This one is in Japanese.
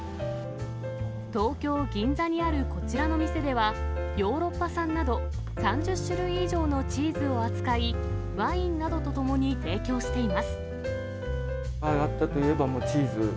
東京・銀座にあるこちらの店では、ヨーロッパ産など３０種類以上のチーズを扱い、ワインなどととも上がったといえば、もうチーズ。